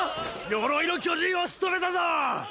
鎧の巨人を仕留めたぞ！！